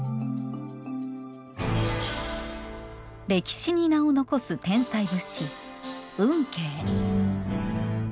歴史に名を残す天才仏師・運慶。